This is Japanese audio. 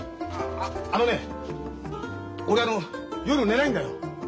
あのね俺あの夜寝ないんだよ。